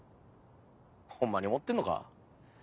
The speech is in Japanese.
ホンマに思ってんのか？